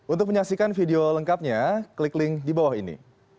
untuk menyaksikan video lengkapnya klik link di bawah ini